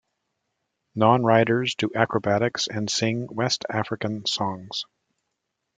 Non-riders do acrobatics and sing west African songs.